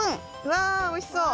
わあおいしそう！